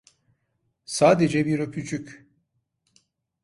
Sadece bir öpücük.